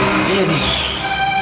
cuman kayaknya salah kamar tante